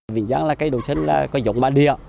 vĩnh giang là cây đồ chất có dòng mạng địa